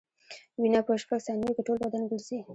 وینه په شپږ ثانیو کې ټول بدن ګرځي.